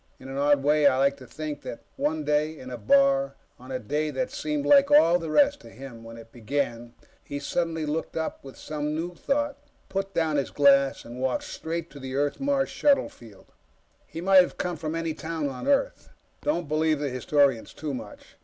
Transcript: In an odd way, I like to think that one day, in a bar, on a day that seemed like all the rest to him when it began, he suddenly looked up with some new thought, put down his glass, and walked straight to the Earth Mars shuttle field. He might have come from any town on Earth. Don't believe the historians too much.